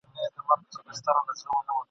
افسر وویل تا وژنم دلته ځکه ..